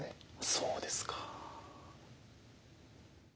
そうですか。